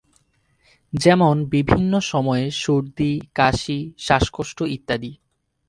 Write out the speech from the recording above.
যেমন বিভিন্ন সময়ে সর্দি, কাশি, শ্বাসকষ্ট ইত্যাদি।